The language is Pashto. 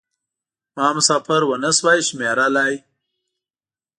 ما مسافر و نه شوای شمېرلای شول.